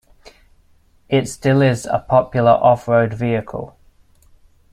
It still is a popular off road vehicle.